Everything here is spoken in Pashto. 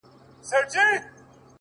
سم لكه ماهى يو سمندر تر ملا تړلى يم؛